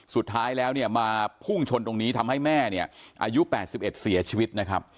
สุดท้ายแล้วมาพุ่งชนตรงนี้ทำให้แม่อายุ๘๑เสียชีวิต